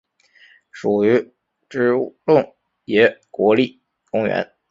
属于支笏洞爷国立公园。